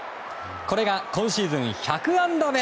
これが今シーズン１００安打目。